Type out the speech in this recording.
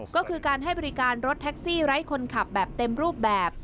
ก็คือการให้บริการรถแท็กซี่ไร้คนขับแบบเต็มรูปแบบ